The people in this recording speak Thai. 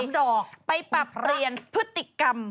ดอกไปปรับเรียนพฤติกรรม